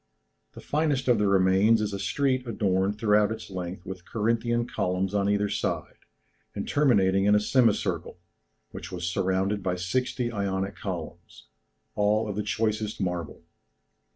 The finest of the remains is a street adorned throughout its length with Corinthian columns on either side, and terminating in a semicircle, which was surrounded by sixty Ionic columns, all of the choicest marble.